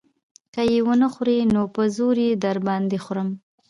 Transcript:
که يې ونه خورې نو په زور يې در باندې خورم.